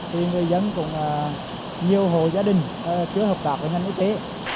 thì người dân cũng nhiều hồ gia đình chưa hợp tạp với ngành y tế